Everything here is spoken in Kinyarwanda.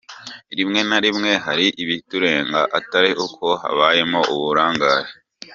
Rimwe na rimwe hari ibiturenga atari uko habayemo uburangare.”